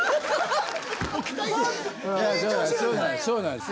そうなんです。